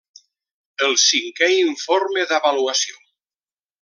El Cinquè Informe d'Avaluació.